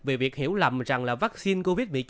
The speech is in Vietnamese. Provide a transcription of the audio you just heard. về việc hiểu lầm rằng là vaccine covid một mươi chín